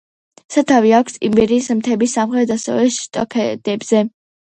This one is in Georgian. სათავე აქვს იბერიის მთების სამხრეთ–დასავლეთ შტოქედებზე.